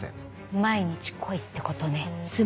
毎日来いってことね。